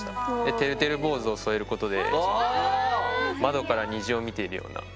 てるてる坊主を添えることで窓から虹を見ているような。